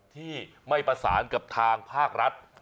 ที่ไม่ประสานกับทางภาครัฐ